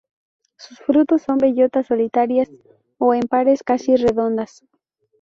Sus frutos son bellotas solitarias o en pares, casi redondas.